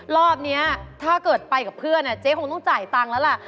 รอบนี้ถ้าเกิดไปกับเพื่อนเจ๊คงต้องจ่ายตังค์แล้วล่ะ